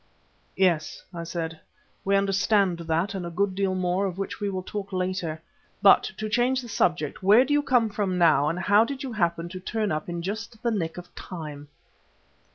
"Yes," I said, "we understand that, and a good deal more of which we will talk later. But, to change the subject, where do you come from now, and how did you happen to turn up just in the nick of time?"